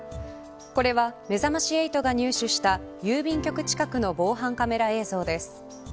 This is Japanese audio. これはめざまし８が入手した郵便局近くの防犯カメラ映像です。